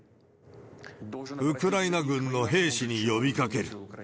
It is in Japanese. ウクライナ軍の兵士に呼びかける。